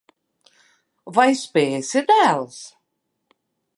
Vai spēsi, dēls?